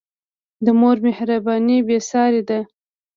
د مور مهرباني بېساری ده.